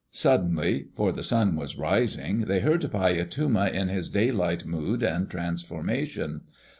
Suddenly, for the sun was rising, they heard Paiyatuma in his daylight mood and transformation.